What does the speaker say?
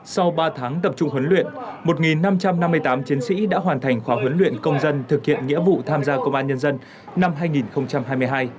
sau ba tháng tập trung huấn luyện một năm trăm năm mươi tám chiến sĩ đã hoàn thành khóa huấn luyện công dân thực hiện nghĩa vụ tham gia công an nhân dân năm hai nghìn hai mươi hai